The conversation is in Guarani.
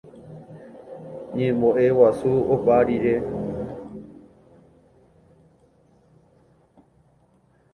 Ñembo'eguasu opa rire